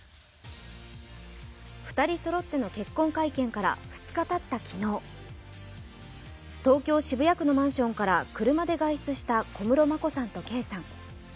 ２人そろっての結婚会見から２日たった昨日、東京・渋谷区のマンションから車で外出した小室眞子さんと圭さん。